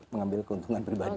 mengambil keuntungan pribadi